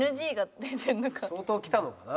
相当来たのかな？